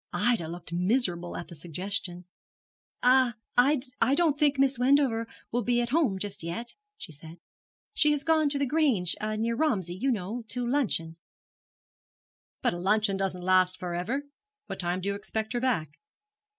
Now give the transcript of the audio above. Ida looked miserable at the suggestion. 'I I don't think Miss Wendover will be at home just yet,' she said. 'She has gone to The Grange, near Romsey, you know, to luncheon.' 'But a luncheon doesn't last for ever. What time do you expect her back?'